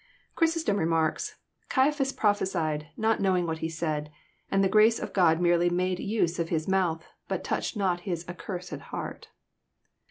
Chrysostom remarks, '*Caiaphas prophesied, not knowing what he said ; and the grace of God merely made use of his month, but touched not his accursed heart."